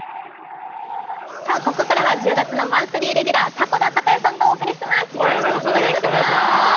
ここからは１０月のマンスリーレギュラー迫田孝也さんとお届けしてまいります。